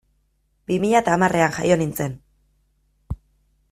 Bi mila eta hamarrean jaio nintzen.